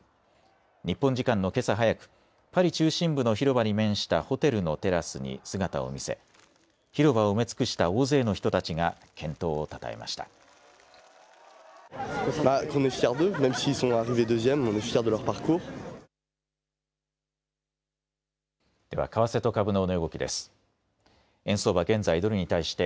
日本時間のけさ早くパリ中心部の広場に面したホテルのテラスに姿を見せ広場を埋め尽くした大勢の人たちが健闘をたたえました。